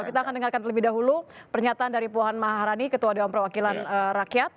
kita akan dengarkan terlebih dahulu pernyataan dari puan maharani ketua dewan perwakilan rakyat